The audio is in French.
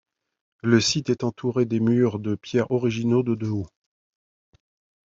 Le site est entouré des murs de pierre originaux de de haut.